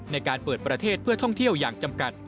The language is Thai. ในการเปิดประเทศเพื่อท่องเที่ยวอย่างจำกัด